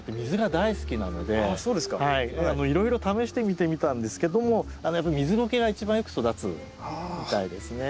いろいろ試してみてみたんですけども水ゴケが一番よく育つみたいですね。